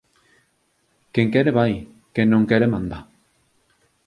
Quen quere vai, quen non quere manda.